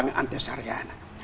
ini yang memiliki penyelamat